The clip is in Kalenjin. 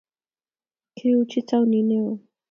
kiuchi taunit neoo